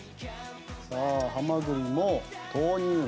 さあハマグリも投入。